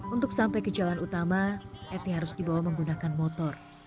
untuk sampai ke jalan utama eti harus dibawa menggunakan motor